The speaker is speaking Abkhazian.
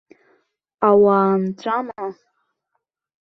Ауаа нҵәама.